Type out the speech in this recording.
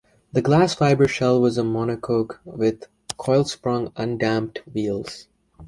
The glass-fibre shell was a monocoque with coil-sprung, undamped wheels.